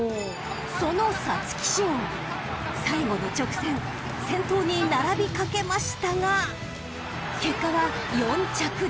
［その皐月賞最後の直線先頭に並びかけましたが結果は４着でした］